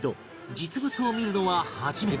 実物を見るのは初めて